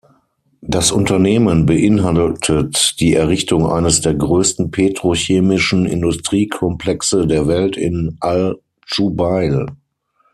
Das Unternehmen beinhaltet die Errichtung eines der größten petrochemischen Industriekomplexe der Welt in Al-Dschubail.